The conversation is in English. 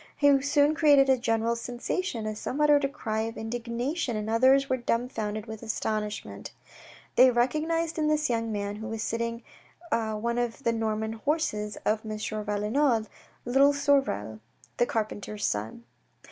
He soon created a general sensation, as some uttered a cry of indignation, and others were dumbfounded with astonishment. They recognised in this young man, who was sitting one of the Norman horses of M. Valenod, little Sorel, the carpenter's son.